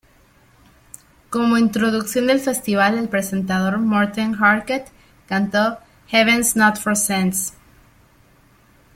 Como introducción del festival el presentador Morten Harket cantó "Heaven's Not For Saints".